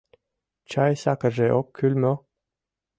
Чай-сакырже ок кӱл мо?